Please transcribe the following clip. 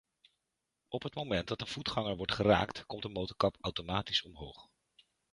Op het moment dat een voetganger wordt geraakt, komt de motorkap automatisch omhoog.